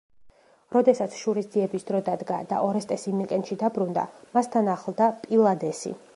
როდესაც შურისძიების დრო დადგა და ორესტესი მიკენში დაბრუნდა, მას თან ახლდა პილადესი.